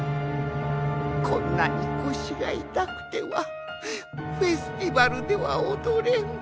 こんなにこしがいたくてはフェスティバルではおどれん。